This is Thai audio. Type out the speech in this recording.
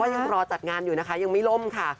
ยังรอจัดงานอยู่นะคะยังไม่ล่มค่ะ